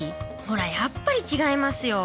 ほらやっぱり違いますよ。